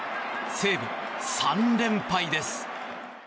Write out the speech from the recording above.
西武、３連敗です。